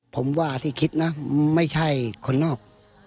ผมว่าที่คิดนะไม่ใช่คนนอก